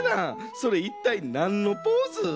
それいったいなんのポーズ？